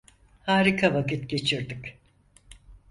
Harika vakit geçirdik.